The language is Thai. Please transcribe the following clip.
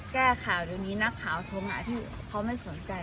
แก้ข่าวดังนี้นักข่าวทมอะที่เขาไม่สนใจ